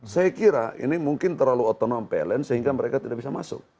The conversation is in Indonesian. saya kira ini mungkin terlalu otonom pln sehingga mereka tidak bisa masuk